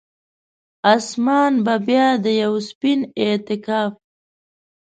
اسمان به بیا د یوه سپین اعتکاف،